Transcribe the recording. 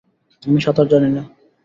আমি সাঁতার জানি না।